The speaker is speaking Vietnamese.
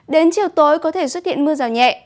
đến chiều tối có thể xuất hiện mưa rào nhẹ